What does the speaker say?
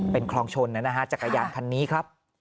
เป็นคลองชนนะฮะจักรยานคันนี้ครับ